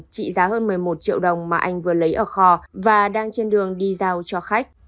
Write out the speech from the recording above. trị giá hơn một mươi một triệu đồng mà anh vừa lấy ở kho và đang trên đường đi giao cho khách